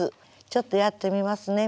ちょっとやってみますね。